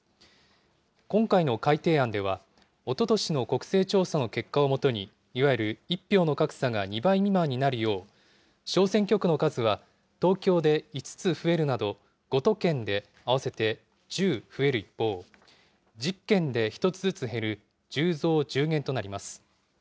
今回の改定案では、おととしの国勢調査の結果をもとに、いわゆる１票の格差が２倍未満になるよう、小選挙区の数は東京で５つ増えるなど、５都県で合わせて１０増える一方、１０県で１つずつ減る１０増１０減となります。